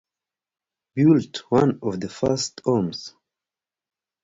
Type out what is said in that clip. Built one of the first homes.